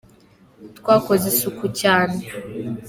Twakoze isuku cyane.